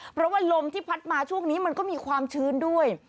เพราะว่าลมที่พัดมาช่วงนี้มันก็มีความชื้นด้วย